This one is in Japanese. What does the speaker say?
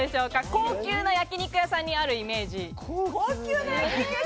高級な焼き肉屋さんにあるイメージ。